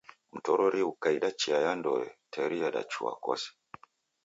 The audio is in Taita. Mtorori ghukaida chia ya ndoe, teri yadachua kose